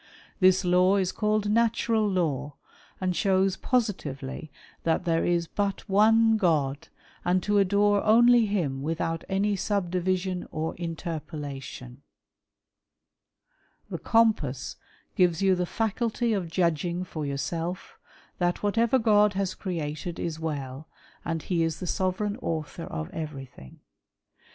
This law is callednatural law, and shows positively that there •' is but one God^ and to adore only him without any sub division '' or interpolation. The Compass gives you the fliculty of "judging for yourself, that whatever God has created is well, " and he is the sovereign author of everything.